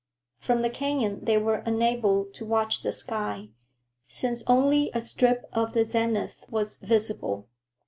From the canyon they were unable to watch the sky, since only a strip of the zenith was visible.